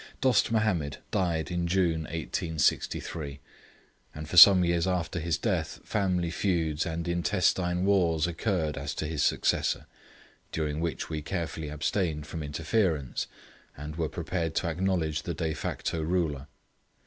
Dost Mahomed died in June, 1863, and for some years after his death family feuds and intestine wars occurred as to his successor, during which we carefully abstained from interference, and were prepared to acknowledge the de facto ruler.